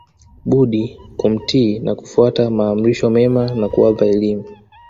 budi kumtii na kufuata maamrisho mema na kuwapa elimu